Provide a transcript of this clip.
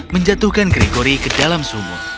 menjatuhkan gregory ke dalam sumur